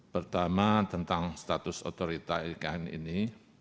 pertama tentang status otorita ikn ini